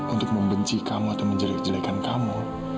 untuk membenci kamu atau menjelek jelekan kamu